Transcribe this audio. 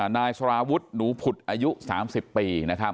นายสารวุฒิหนูผุดอายุ๓๐ปี